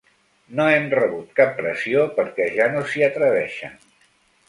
No hem rebut cap pressió, perquè ja no s’hi atreveixen.